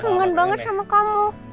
kangen banget sama kamu